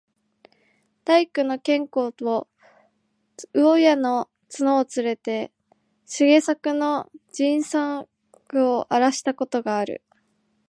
大工の兼公と肴屋の角をつれて、茂作の人参畠をあらした事がある。